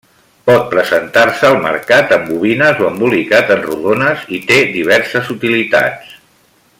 Pot presentar-se al mercat en bobines o embolicat en rodones i té diverses utilitats.